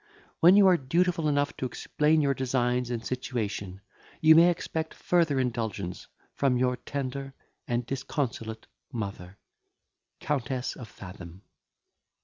When you are dutiful enough to explain your designs and situation, you may expect further indulgence from your tender and disconsolate mother,— THE COUNTESS OF FATHOM."